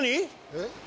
えっ？